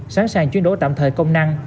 sẵn sàng chuyên đổi tạm thời công năng